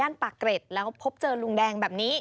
อย่างปากเกร็ดแล้วพบเจอลูงแดงแบบนี้